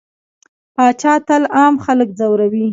پاچا تل عام خلک ځوروي.